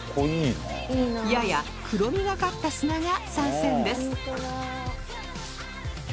やや黒みがかった砂が参戦です